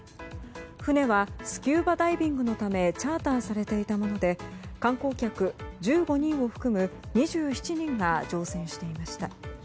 船はスキューバダイビングのためチャーターされていたもので観光客１５人を含む２７人が乗船していました。